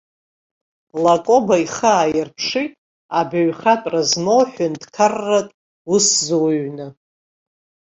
Лакоба ихы ааирԥшит абаҩхатәра змоу ҳәынҭқарратә усзуҩны.